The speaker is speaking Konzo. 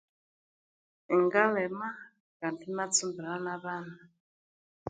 Ingalima kandi inatsumbira na bana